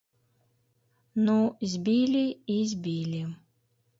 Ну, збілі і збілі.